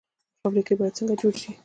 فابریکې باید څنګه جوړې شي؟